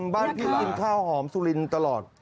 บ้านพี่กินข้าวหอมสุลินตลอด